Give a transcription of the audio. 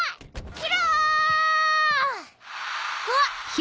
宙！？